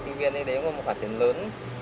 sinh viên ấy đấy cũng là một khoản tiền lớn